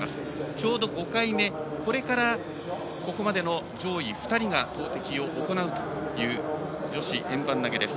ちょうど５回目、これからここまでの上位２人が投てきを行うという女子円盤投げです。